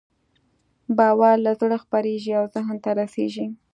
باور له زړه خپرېږي او ذهن ته رسېږي.